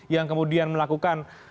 yang kemudian melakukan